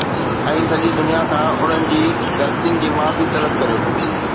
۽ سڄي دنيا کان انهن جي غلطين جي معافي طلب ڪريو